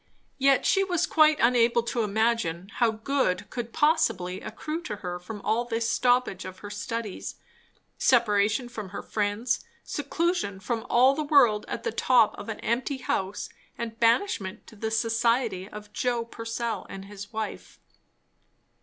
Yet she was quite unable to imagine how good could possibly accrue to her from all this stoppage of her studies, separation from her friends, seclusion from all the world at the top of an empty house, and banishment to the society of Joe Purcell and his wife.